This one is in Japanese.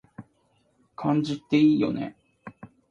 漢字っていいよね